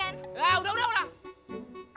nggak udah udah udah